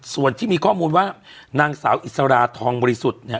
ส่วนที่มีข้อมูลว่านางสาวอิสราทองบริสุทธิ์เนี่ย